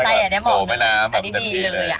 อันนี้ดีเลย